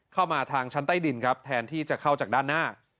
เข้ามาทางชั้นใต้ดินครับแทนที่จะเข้าจากด้านหน้า